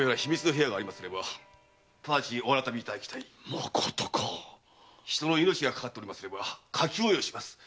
まことか⁉人の命がかかっておりますれば火急を要します。